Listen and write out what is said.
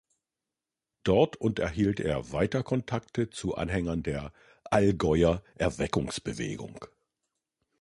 Dort unterhielt er weiter Kontakte zu Anhängern der "Allgäuer Erweckungsbewegung".